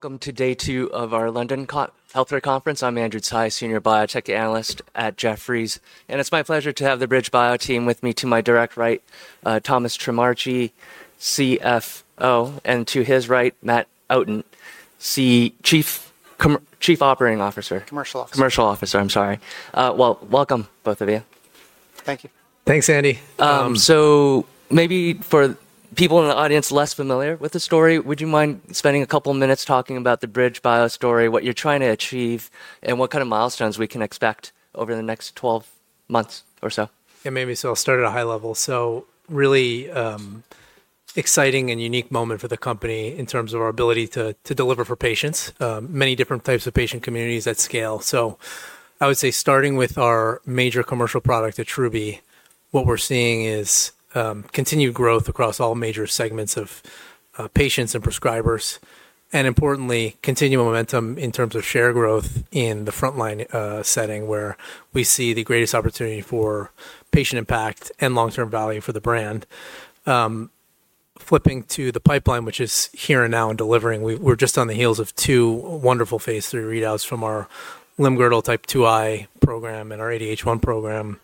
Welcome to Day Two of our London Healthcare Conference. I'm Andrew Tsai, Senior Biotech Analyst at Jefferies, and it's my pleasure to have the BridgeBio team with me. To my direct right, Thomas Trimarchi, CFO, and to his right, Matt Outten, Chief Operating Officer. Commercial Officer. Commercial Officer, I'm sorry. Welcome, both of you. Thank you. Thanks, Andy. Maybe for people in the audience less familiar with the story, would you mind spending a couple of minutes talking about the BridgeBio story, what you're trying to achieve, and what kind of milestones we can expect over the next 12 months or so? Yeah, maybe. I'll start at a high level. Really exciting and unique moment for the company in terms of our ability to deliver for patients, many different types of patient communities at scale. I would say starting with our major commercial product, Attruby, what we're seeing is continued growth across all major segments of patients and prescribers, and importantly, continued momentum in terms of share growth in the frontline setting where we see the greatest opportunity for patient impact and long-term value for the brand. Flipping to the pipeline, which is here and now and delivering, we're just on the heels of two wonderful phase three readouts from our limb-girdle type 2I program and our ADH1 program.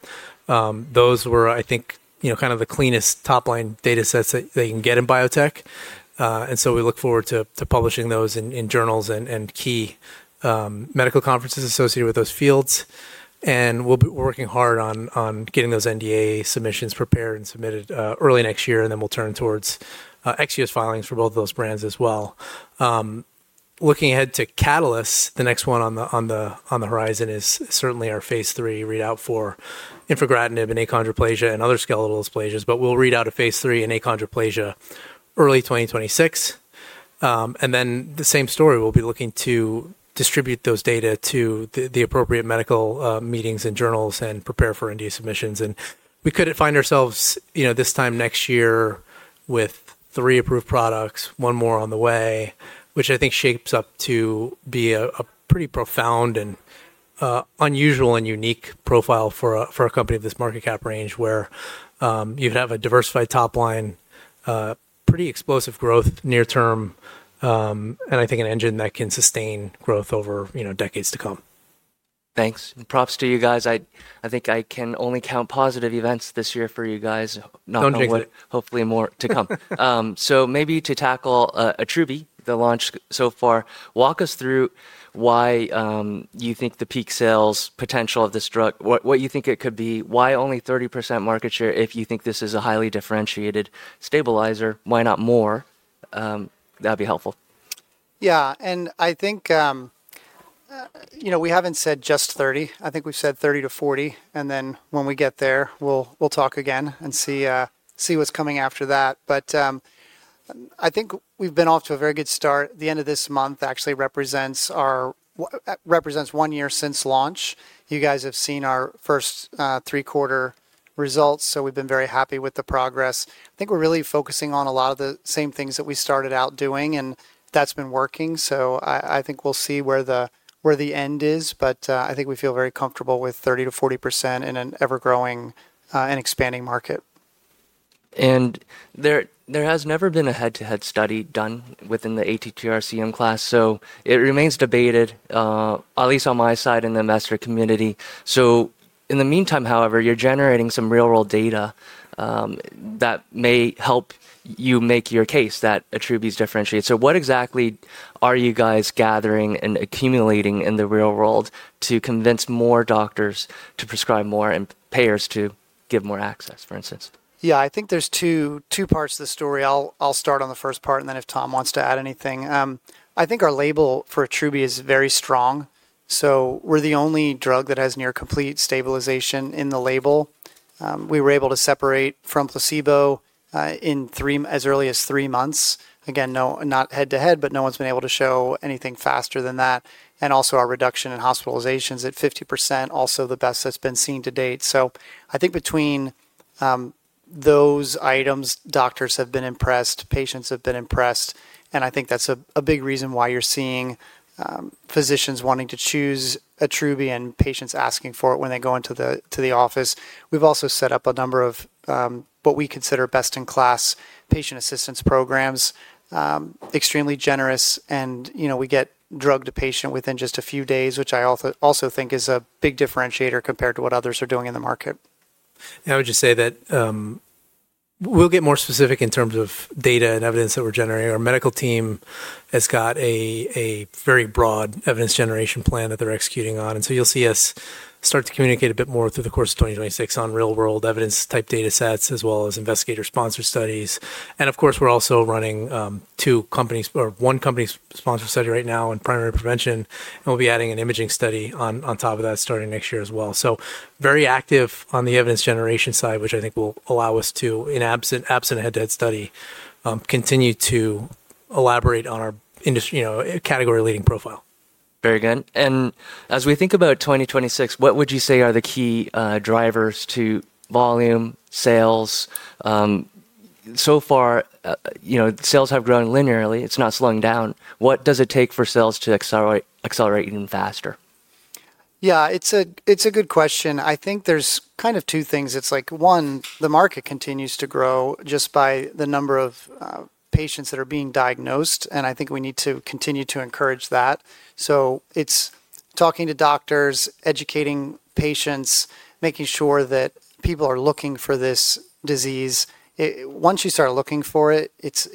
Those were, I think, kind of the cleanest top-line data sets that you can get in biotech. We look forward to publishing those in journals and key medical conferences associated with those fields. We are working hard on getting those NDA submissions prepared and submitted early next year, and then we will turn towards ex-US filings for both of those brands as well. Looking ahead to Catalyst, the next one on the horizon is certainly our phase three readout for infigratinib in achondroplasia and other skeletal dysplasias, but we will read out a phase three in achondroplasia early 2026. The same story, we will be looking to distribute those data to the appropriate medical meetings and journals and prepare for NDA submissions. We couldn't find ourselves this time next year with three approved products, one more on the way, which I think shapes up to be a pretty profound and unusual and unique profile for a company of this market cap range where you have a diversified top line, pretty explosive growth near term, and I think an engine that can sustain growth over decades to come. Thanks. And props to you guys. I think I can only count positive events this year for you guys, hopefully more to come. Maybe to tackle Attruby that launched so far, walk us through why you think the peak sales potential of this drug, what you think it could be, why only 30% market share if you think this is a highly differentiated stabilizer, why not more? That'd be helpful. Yeah, and I think we haven't said just 30. I think we've said 30-40. And then when we get there, we'll talk again and see what's coming after that. But I think we've been off to a very good start. The end of this month actually represents one year since launch. You guys have seen our first three-quarter results, so we've been very happy with the progress. I think we're really focusing on a lot of the same things that we started out doing, and that's been working. So I think we'll see where the end is, but I think we feel very comfortable with 30-40% in an ever-growing and expanding market. There has never been a head-to-head study done within the ATTR-CM class, so it remains debated, at least on my side in the investor community. In the meantime, however, you're generating some real-world data that may help you make your case that Attruby is differentiated. What exactly are you guys gathering and accumulating in the real world to convince more doctors to prescribe more and payers to give more access, for instance? Yeah, I think there's two parts to the story. I'll start on the first part, and then if Tom wants to add anything. I think our label for Attruby is very strong. We're the only drug that has near complete stabilization in the label. We were able to separate from placebo as early as three months. Again, not head-to-head, but no one's been able to show anything faster than that. Also, our reduction in hospitalizations at 50%, also the best that's been seen to date. I think between those items, doctors have been impressed, patients have been impressed, and I think that's a big reason why you're seeing physicians wanting to choose Attruby and patients asking for it when they go into the office. We've also set up a number of what we consider best-in-class patient assistance programs, extremely generous, and we get drug to patient within just a few days, which I also think is a big differentiator compared to what others are doing in the market. I would just say that we'll get more specific in terms of data and evidence that we're generating. Our medical team has got a very broad evidence generation plan that they're executing on. You will see us start to communicate a bit more through the course of 2026 on real-world evidence-type data sets, as well as investigator-sponsored studies. Of course, we're also running one company-sponsored study right now in primary prevention, and we'll be adding an imaging study on top of that starting next year as well. Very active on the evidence generation side, which I think will allow us to, in absent head-to-head study, continue to elaborate on our category-leading profile. Very good. As we think about 2026, what would you say are the key drivers to volume, sales? So far, sales have grown linearly. It's not slowing down. What does it take for sales to accelerate even faster? Yeah, it's a good question. I think there's kind of two things. It's like, one, the market continues to grow just by the number of patients that are being diagnosed, and I think we need to continue to encourage that. It's talking to doctors, educating patients, making sure that people are looking for this disease. Once you start looking for it, it's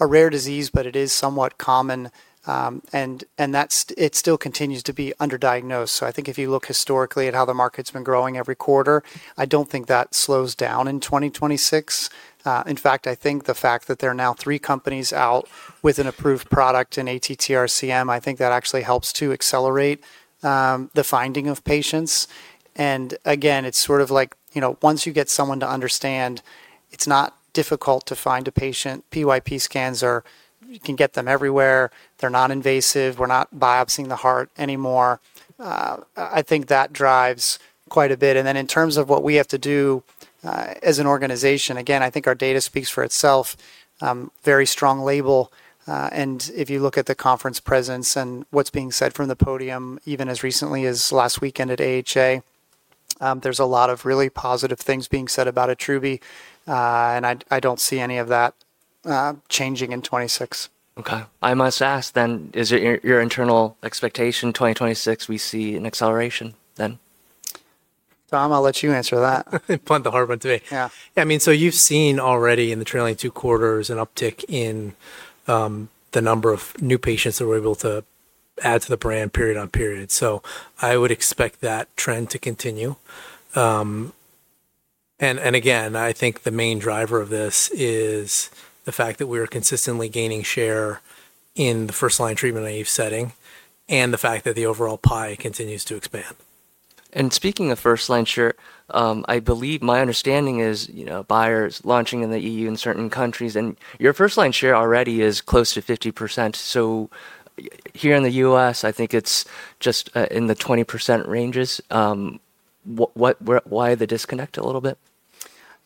a rare disease, but it is somewhat common, and it still continues to be underdiagnosed. I think if you look historically at how the market's been growing every quarter, I don't think that slows down in 2026. In fact, I think the fact that there are now three companies out with an approved product in ATTR-CM, I think that actually helps to accelerate the finding of patients. Again, it's sort of like once you get someone to understand, it's not difficult to find a patient. PYP scans are, you can get them everywhere. They're non-invasive. We're not biopsying the heart anymore. I think that drives quite a bit. In terms of what we have to do as an organization, again, I think our data speaks for itself. Very strong label. If you look at the conference presence and what's being said from the podium, even as recently as last weekend at AHA, there's a lot of really positive things being said about Attruby, and I don't see any of that changing in 2026. Okay. I must ask then, is it your internal expectation 2026 we see an acceleration then? Tom, I'll let you answer that. I find the hard one to be. Yeah. I mean, so you've seen already in the trailing two quarters an uptick in the number of new patients that we're able to add to the brand period on period. I would expect that trend to continue. Again, I think the main driver of this is the fact that we are consistently gaining share in the first-line treatment IV setting and the fact that the overall pie continues to expand. Speaking of first-line share, I believe my understanding is Bayer is launching in the EU and certain countries, and your first-line share already is close to 50%. Here in the U.S., I think it is just in the 20% ranges. Why the disconnect a little bit?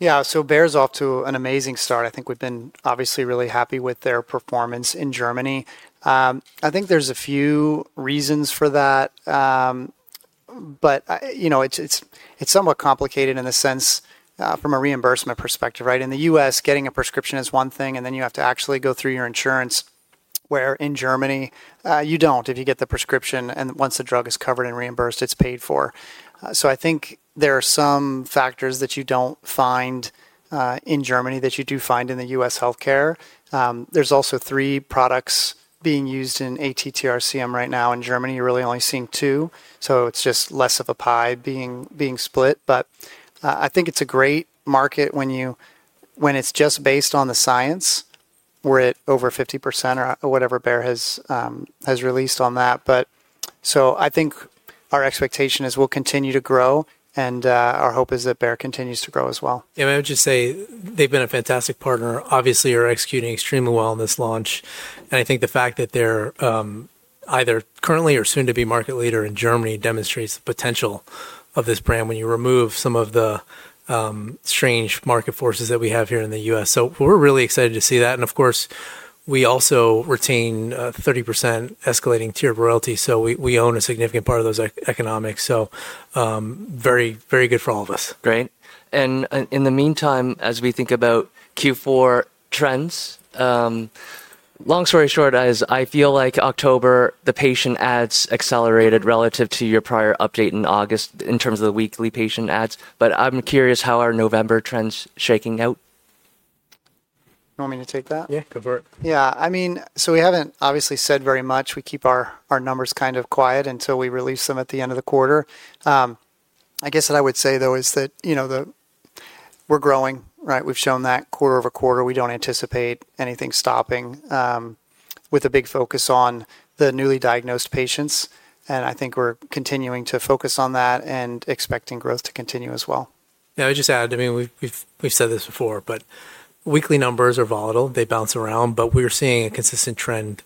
Yeah, so Bayer's off to an amazing start. I think we've been obviously really happy with their performance in Germany. I think there's a few reasons for that, but it's somewhat complicated in the sense from a reimbursement perspective, right? In the U.S., getting a prescription is one thing, and then you have to actually go through your insurance, where in Germany, you don't if you get the prescription, and once the drug is covered and reimbursed, it's paid for. I think there are some factors that you don't find in Germany that you do find in the U.S. healthcare. There's also three products being used in ATTR-CM right now in Germany. You're really only seeing two. It's just less of a pie being split. I think it's a great market when it's just based on the science. We're at over 50% or whatever Bayer has released on that. I think our expectation is we'll continue to grow, and our hope is that Bayer continues to grow as well. Yeah, I would just say they've been a fantastic partner. Obviously, you're executing extremely well in this launch. I think the fact that they're either currently or soon to be market leader in Germany demonstrates the potential of this brand when you remove some of the strange market forces that we have here in the U.S. We're really excited to see that. Of course, we also retain 30% escalating tier of royalty, so we own a significant part of those economics. Very good for all of us. Great. In the meantime, as we think about Q4 trends, long story short, I feel like October the patient ads accelerated relative to your prior update in August in terms of the weekly patient ads, but I'm curious how are November trends shaking out? You want me to take that? Yeah, go for it. Yeah, I mean, we have not obviously said very much. We keep our numbers kind of quiet until we release them at the end of the quarter. I guess what I would say, though, is that we are growing, right? We have shown that quarter over quarter, we do not anticipate anything stopping with a big focus on the newly diagnosed patients. I think we are continuing to focus on that and expecting growth to continue as well. Yeah, I would just add, I mean, we've said this before, but weekly numbers are volatile. They bounce around, but we're seeing a consistent trend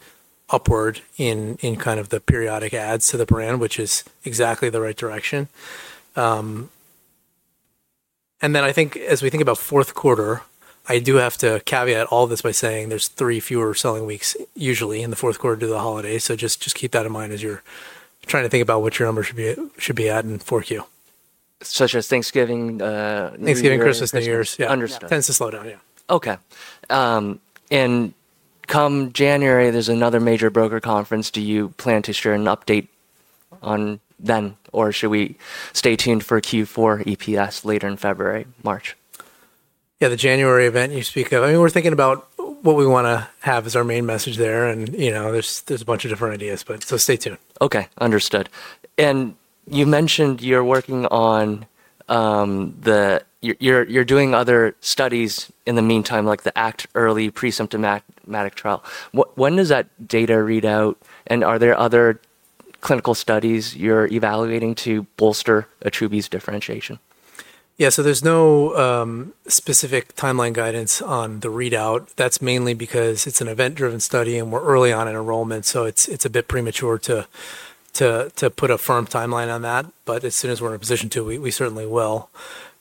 upward in kind of the periodic ads to the brand, which is exactly the right direction. I think as we think about fourth quarter, I do have to caveat all this by saying there's three fewer selling weeks usually in the fourth quarter due to the holidays. Just keep that in mind as you're trying to think about what your numbers should be at in 4Q. Such as Thanksgiving. Thanksgiving, Christmas, New Year's. Understood. Tends to slow down, yeah. Okay. Come January, there's another major broker conference. Do you plan to share an update on then, or should we stay tuned for Q4 EPS later in February, March? Yeah, the January event you speak of. I mean, we're thinking about what we want to have as our main message there, and there's a bunch of different ideas, but so stay tuned. Okay, understood. You mentioned you're working on the, you're doing other studies in the meantime, like the ACT early pre-symptomatic trial. When does that data read out, and are there other clinical studies you're evaluating to bolster Attruby's differentiation? Yeah, so there's no specific timeline guidance on the readout. That's mainly because it's an event-driven study and we're early on in enrollment, so it's a bit premature to put a firm timeline on that. As soon as we're in a position to, we certainly will.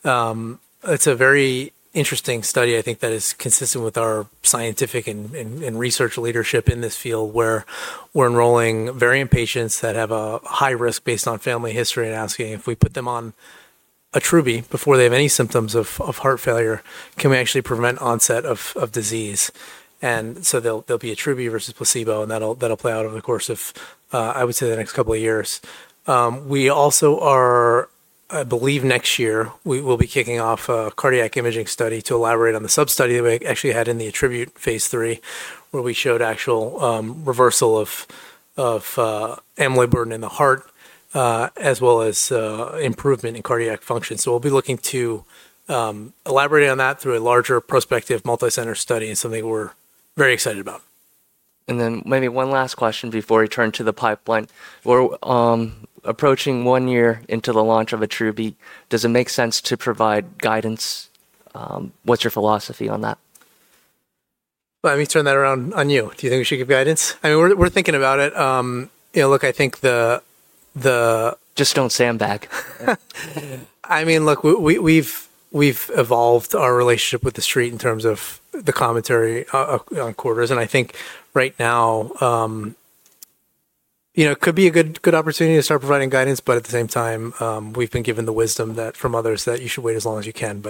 It's a very interesting study, I think, that is consistent with our scientific and research leadership in this field, where we're enrolling very inpatients that have a high risk based on family history and asking if we put them on Attruby before they have any symptoms of heart failure, can we actually prevent onset of disease? There will be an Attruby versus placebo, and that'll play out over the course of, I would say, the next couple of years. We also are, I believe next year, we will be kicking off a cardiac imaging study to elaborate on the sub-study that we actually had in the Attruby phase III, where we showed actual reversal of amyloid burden in the heart, as well as improvement in cardiac function. We will be looking to elaborate on that through a larger prospective multicenter study and something we're very excited about. Maybe one last question before we turn to the pipeline. We're approaching one year into the launch of Attruby. Does it make sense to provide guidance? What's your philosophy on that? I mean, turn that around on you. Do you think we should give guidance? I mean, we're thinking about it. Look, I think the. Just don't say I'm back. I mean, look, we've evolved our relationship with the street in terms of the commentary on quarters. I think right now, it could be a good opportunity to start providing guidance, but at the same time, we've been given the wisdom from others that you should wait as long as you can.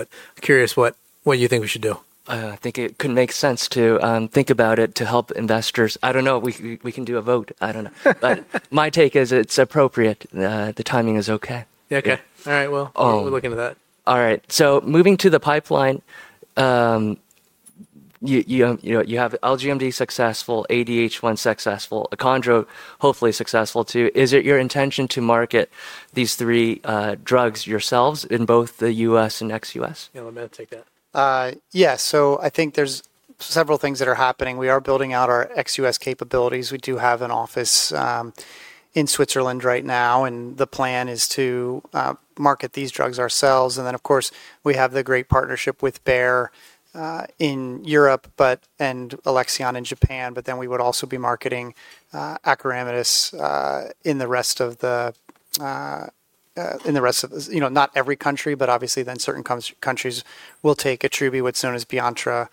Curious what you think we should do. I think it could make sense to think about it to help investors. I don't know. We can do a vote. I don't know. My take is it's appropriate. The timing is okay. Yeah, okay. All right, we're looking at that. All right. Moving to the pipeline. You have LGMD2I successful, ADH1 successful, achondroplasia hopefully successful too. Is it your intention to market these three drugs yourselves in both the U.S. and ex-U.S.? Yeah, let Matt take that. Yeah, so I think there's several things that are happening. We are building out our ex-U.S. capabilities. We do have an office in Switzerland right now, and the plan is to market these drugs ourselves. Of course, we have the great partnership with Bayer in Europe and Alexion in Japan, but we would also be marketing acoramidis in the rest of, not every country, but obviously then certain countries will take Attruby, what's known as Biontra,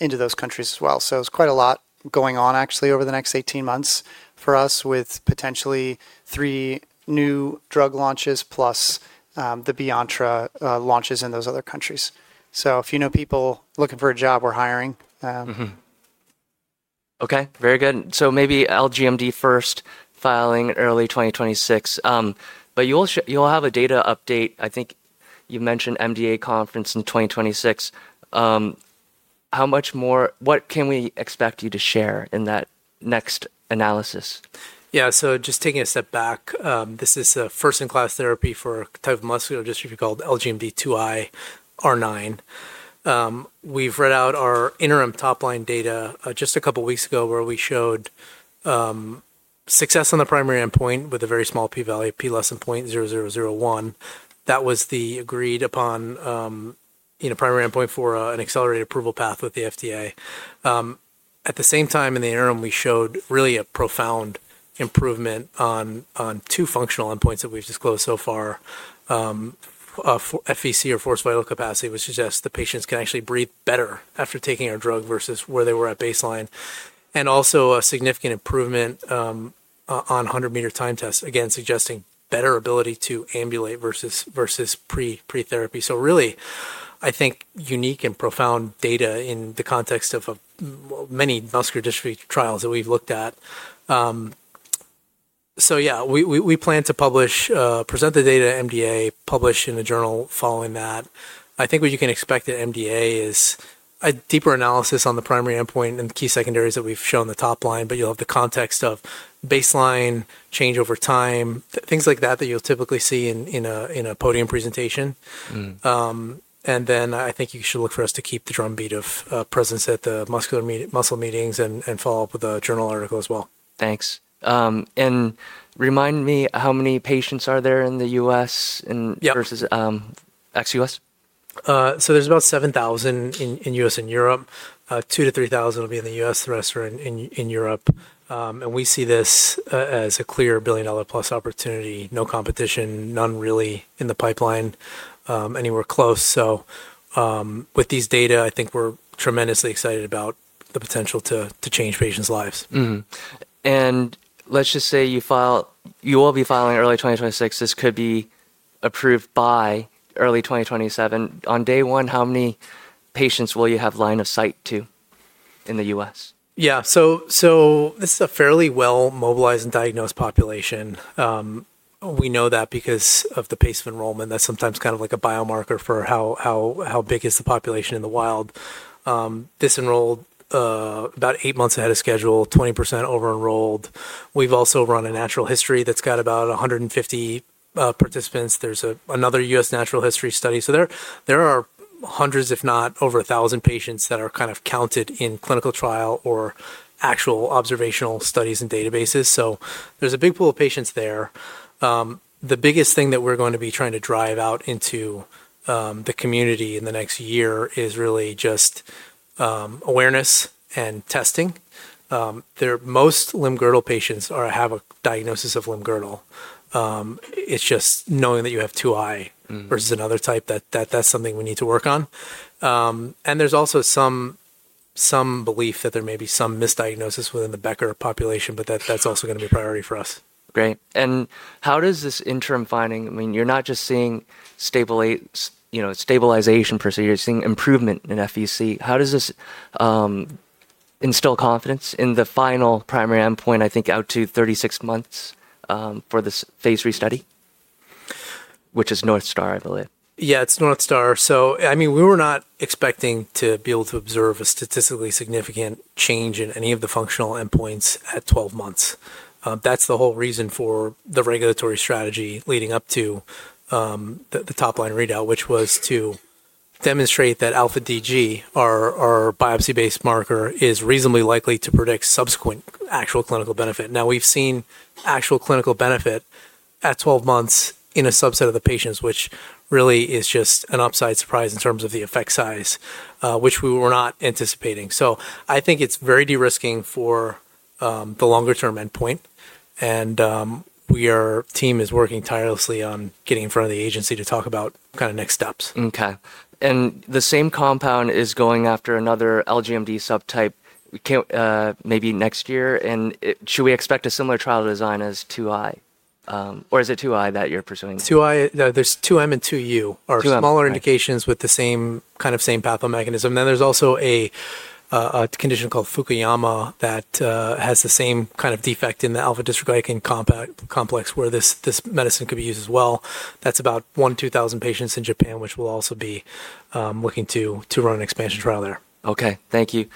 into those countries as well. There's quite a lot going on actually over the next 18 months for us with potentially three new drug launches plus the Biontra launches in those other countries. If you know people looking for a job, we're hiring. Okay, very good. Maybe LGMD first filing early 2026. You will have a data update. I think you mentioned MDA conference in 2026. How much more, what can we expect you to share in that next analysis? Yeah, so just taking a step back, this is a first-in-class therapy for a type of muscular dystrophy called LGMD2I/R9. We've read out our interim top-line data just a couple of weeks ago where we showed success on the primary endpoint with a very small P-value, P less than 0.0001. That was the agreed-upon primary endpoint for an accelerated approval path with the FDA. At the same time, in the interim, we showed really a profound improvement on two functional endpoints that we've disclosed so far, FVC or forced vital capacity, which suggests the patients can actually breathe better after taking our drug versus where they were at baseline. Also a significant improvement on 100-meter time test, again, suggesting better ability to ambulate versus pre-therapy. Really, I think unique and profound data in the context of many muscular dystrophy trials that we've looked at. Yeah, we plan to present the data to MDA, publish in a journal following that. I think what you can expect at MDA is a deeper analysis on the primary endpoint and the key secondaries that we've shown the top line, but you'll have the context of baseline change over time, things like that that you'll typically see in a podium presentation. I think you should look for us to keep the drumbeat of presence at the muscle meetings and follow up with a journal article as well. Thanks. Remind me, how many patients are there in the U.S. versus ex-U.S.? There are about 7,000 in the U.S. and Europe. 2,000-3,000 will be in the U.S., the rest are in Europe. We see this as a clear billion-dollar-plus opportunity, no competition, none really in the pipeline anywhere close. With these data, I think we're tremendously excited about the potential to change patients' lives. Let's just say you will be filing early 2026. This could be approved by early 2027. On day one, how many patients will you have line of sight to in the U.S.? Yeah, so this is a fairly well-mobilized and diagnosed population. We know that because of the pace of enrollment. That's sometimes kind of like a biomarker for how big is the population in the wild. This enrolled about eight months ahead of schedule, 20% over-enrolled. We've also run a natural history that's got about 150 participants. There's another US natural history study. There are hundreds, if not over 1,000 patients that are kind of counted in clinical trial or actual observational studies and databases. There is a big pool of patients there. The biggest thing that we're going to be trying to drive out into the community in the next year is really just awareness and testing. Most limb-girdle patients have a diagnosis of limb-girdle. It's just knowing that you have 2I versus another type, that's something we need to work on. There is also some belief that there may be some misdiagnosis within the Becker population, but that's also going to be a priority for us. Great. How does this interim finding, I mean, you're not just seeing stabilization procedures, you're seeing improvement in FVC. How does this instill confidence in the final primary endpoint? I think out to 36 months for this phase three study, which is North Star, I believe? Yeah, it's North Star. I mean, we were not expecting to be able to observe a statistically significant change in any of the functional endpoints at 12 months. That's the whole reason for the regulatory strategy leading up to the top-line readout, which was to demonstrate that alpha DG, our biopsy-based marker, is reasonably likely to predict subsequent actual clinical benefit. Now, we've seen actual clinical benefit at 12 months in a subset of the patients, which really is just an upside surprise in terms of the effect size, which we were not anticipating. I think it's very de-risking for the longer-term endpoint. Our team is working tirelessly on getting in front of the agency to talk about kind of next steps. Okay. The same compound is going after another LGMD subtype maybe next year. Should we expect a similar trial design as 2I? Or is it 2I that you're pursuing? 2I, there's 2M and 2U are smaller indications with the same kind of same pathomechanism. Then there's also a condition called Fukuyama that has the same kind of defect in the alpha dystroglycan complex where this medicine could be used as well. That's about 1,000-2,000 patients in Japan, which we'll also be looking to run an expansion trial there. Okay, thank you.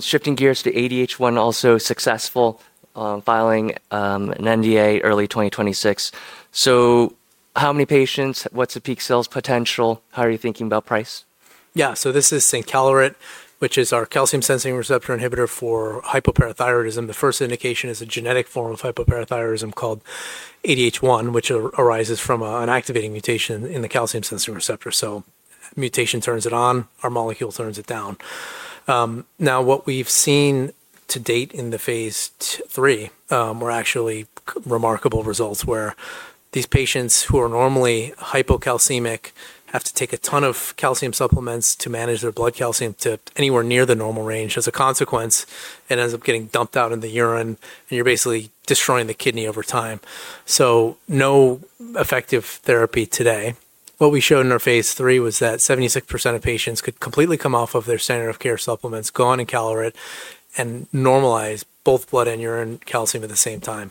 Shifting gears to ADH1, also successful filing an NDA early 2026. So how many patients? What's the peak sales potential? How are you thinking about price? Yeah, so this is encaleret, which is our calcium-sensing receptor inhibitor for hypoparathyroidism. The first indication is a genetic form of hypoparathyroidism called ADH1, which arises from an activating mutation in the calcium-sensing receptor. So mutation turns it on, our molecule turns it down. Now, what we've seen to date in the phase three, we're actually remarkable results where these patients who are normally hypocalcemic have to take a ton of calcium supplements to manage their blood calcium to anywhere near the normal range. As a consequence, it ends up getting dumped out in the urine, and you're basically destroying the kidney over time. No effective therapy today. What we showed in our phase three was that 76% of patients could completely come off of their standard of care supplements, go on encaleret, and normalize both blood and urine calcium at the same time.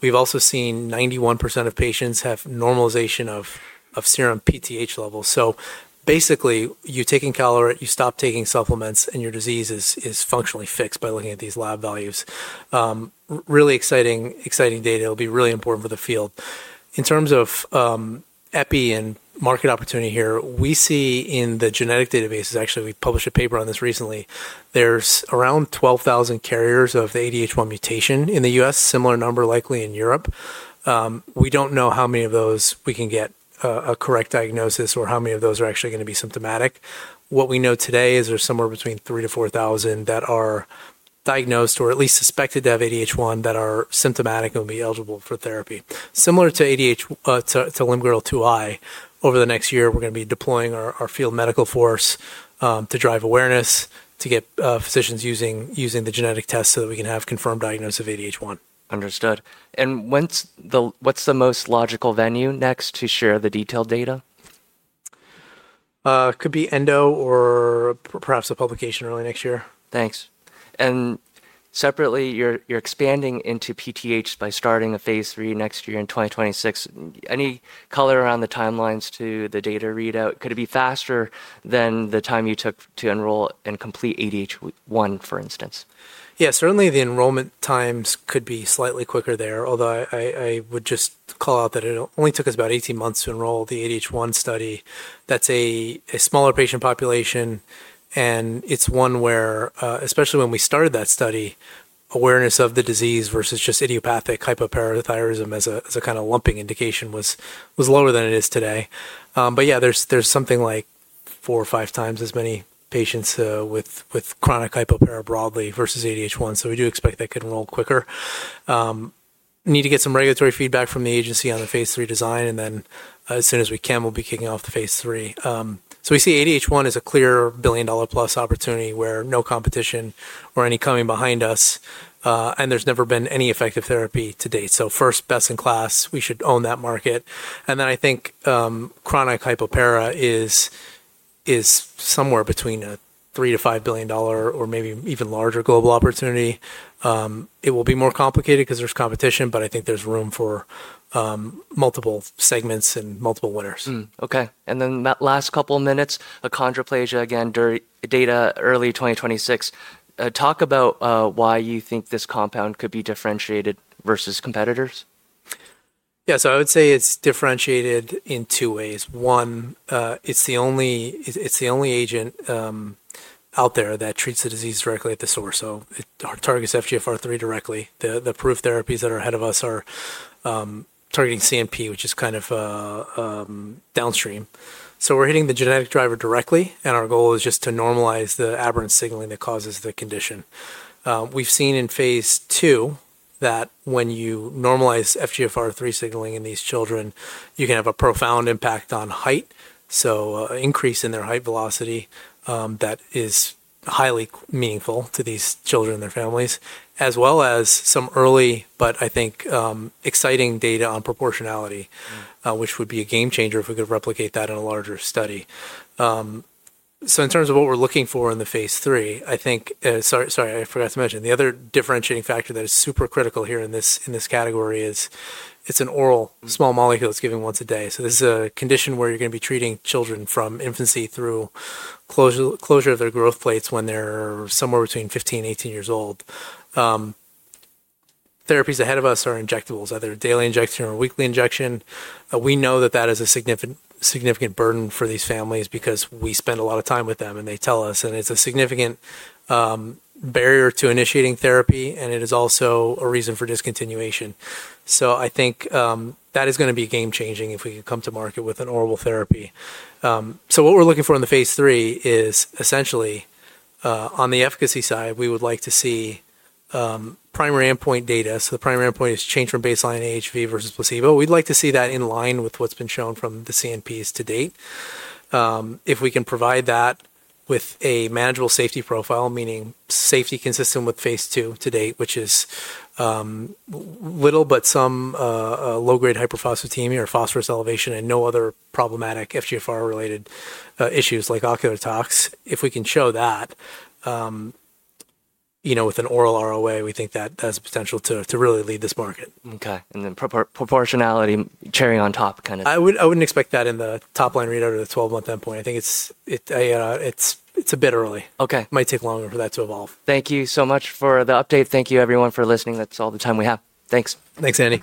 We've also seen 91% of patients have normalization of serum PTH levels. Basically, you take encaleret, you stop taking supplements, and your disease is functionally fixed by looking at these lab values. Really exciting data. It'll be really important for the field. In terms of EPI and market opportunity here, we see in the genetic databases, actually, we published a paper on this recently, there's around 12,000 carriers of the ADH1 mutation in the US, similar number likely in Europe. We don't know how many of those we can get a correct diagnosis or how many of those are actually going to be symptomatic. What we know today is there's somewhere between 3,000-4,000 that are diagnosed or at least suspected to have ADH1 that are symptomatic and will be eligible for therapy. Similar to limb-girdle 2I, over the next year, we're going to be deploying our field medical force to drive awareness, to get physicians using the genetic test so that we can have confirmed diagnosis of ADH1. Understood. What's the most logical venue next to share the detailed data? Could be Endo or perhaps a publication early next year. Thanks. Separately, you're expanding into PTH by starting a phase three next year in 2026. Any color around the timelines to the data readout? Could it be faster than the time you took to enroll and complete ADH1, for instance? Yeah, certainly the enrollment times could be slightly quicker there, although I would just call out that it only took us about 18 months to enroll the ADH1 study. That's a smaller patient population, and it's one where, especially when we started that study, awareness of the disease versus just idiopathic hypoparathyroidism as a kind of lumping indication was lower than it is today. Yeah, there's something like four or five times as many patients with chronic hypoparathyroidism broadly versus ADH1. We do expect that could enroll quicker. Need to get some regulatory feedback from the agency on the phase three design, and then as soon as we can, we'll be kicking off the phase three. We see ADH1 as a clear billion-dollar-plus opportunity where no competition or any coming behind us, and there's never been any effective therapy to date. First, best in class, we should own that market. I think chronic hypoparathyroidism is somewhere between a $3 billion-$5 billion or maybe even larger global opportunity. It will be more complicated because there is competition, but I think there is room for multiple segments and multiple winners. Okay. And then last couple of minutes, achondroplasia, again, data early 2026. Talk about why you think this compound could be differentiated versus competitors. Yeah, so I would say it's differentiated in two ways. One, it's the only agent out there that treats the disease directly at the source. It targets FGFR3 directly. The approved therapies that are ahead of us are targeting CNP, which is kind of downstream. We're hitting the genetic driver directly, and our goal is just to normalize the aberrant signaling that causes the condition. We've seen in phase two that when you normalize FGFR3 signaling in these children, you can have a profound impact on height, so an increase in their height velocity that is highly meaningful to these children and their families, as well as some early, but I think exciting data on proportionality, which would be a game changer if we could replicate that in a larger study. In terms of what we're looking for in the phase three, I think, sorry, I forgot to mention, the other differentiating factor that is super critical here in this category is it's an oral small molecule that's given once a day. This is a condition where you're going to be treating children from infancy through closure of their growth plates when they're somewhere between 15 and 18 years old. Therapies ahead of us are injectables, either daily injection or weekly injection. We know that that is a significant burden for these families because we spend a lot of time with them, and they tell us, and it's a significant barrier to initiating therapy, and it is also a reason for discontinuation. I think that is going to be game-changing if we can come to market with an oral therapy. What we're looking for in the phase three is essentially, on the efficacy side, we would like to see primary endpoint data. The primary endpoint is change from baseline AHV versus placebo. We'd like to see that in line with what's been shown from the CNPs to date. If we can provide that with a manageable safety profile, meaning safety consistent with phase two to date, which is little but some low-grade hyperphosphatemia or phosphorus elevation and no other problematic FGFR-related issues like ocular tox, if we can show that with an oral ROA, we think that has the potential to really lead this market. Okay. And then proportionality, cherry on top, kind of. I wouldn't expect that in the top-line readout or the 12-month endpoint. I think it's a bit early. It might take longer for that to evolve. Thank you so much for the update. Thank you, everyone, for listening. That's all the time we have. Thanks. Thanks, Andy.